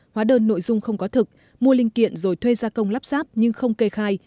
hóa đơn nội dung không có thực mua linh kiện rồi thuê gia công lắp sáp nhưng không kê khai